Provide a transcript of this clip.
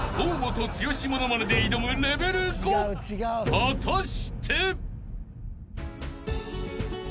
［果たして？］